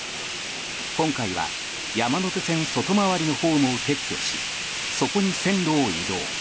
今回は山手線外回りのホームを撤去しそこに線路を移動。